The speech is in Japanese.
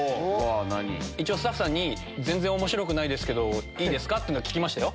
一応スタッフさんに全然面白くないですけどいいですか？って聞きましたよ。